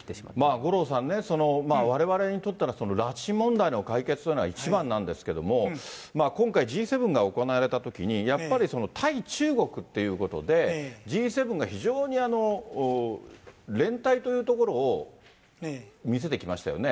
五郎さんね、われわれにとったら拉致問題の解決というのが一番なんですけれども、今回、Ｇ７が行われたときに、やっぱり対中国っていうことで、Ｇ７が非常に連帯というところを見せてきましたよね。